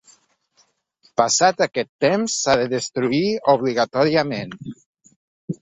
Passat aquest temps s’ha de destruir obligatòriament.